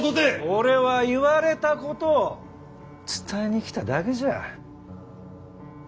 俺は言われたことを伝えに来ただけじゃ。